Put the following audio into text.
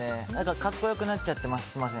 格好良くなっちゃってすみません。